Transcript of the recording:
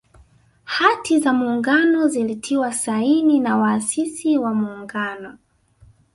Hati za Muungano zilitiwa saini na waasisi wa Muungano